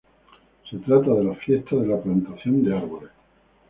Se trata de la fiesta de la plantación de árboles.